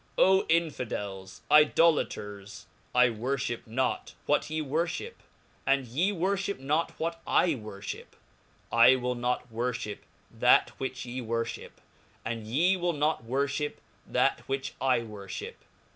Oh Infidels , Xidolaters ! I worlh>p not what ye worftiip, and ye worfeio not what I worlhip; I will not worlhip that which ye wor ftip, and ye will not worlliip that which I wotflim.